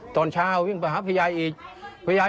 ตอนเช้ายังไปหาพี่ยายอีกพี่ยาย